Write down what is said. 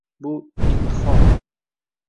Bu — intiho!